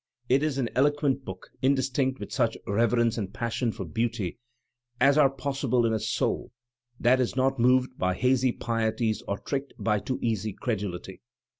It is an eloquent book, instinct with such reverence and passion for beauty as are possible in a soul that is not moved by ha^ pieties or tricked by too easy creduKty.